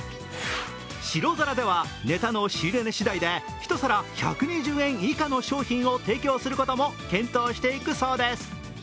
白皿ではネタの仕入れ値しだいで１皿１２０円以下の商品を提供することも検討していくそうです。